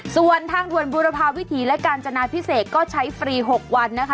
ส่วนทางด่วนบุรพาวิถีและกาญจนาพิเศษก็ใช้ฟรี๖วันนะคะ